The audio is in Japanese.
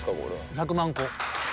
１００万個。